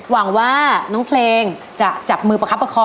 หวังว่าน้องเพลงจะจับมือประคับประคอง